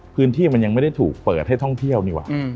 พื้นที่มันยังไม่ได้ถูกเปิดให้ท่องเที่ยวนี่ว่ะ